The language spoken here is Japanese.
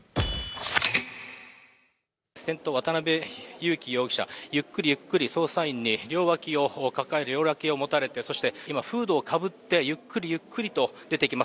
先頭、渡辺優樹容疑者、ゆっくりゆっくり捜査員に両脇を持たれてそして今フードをかぶって、ゆっくりゆっくりと出てきます。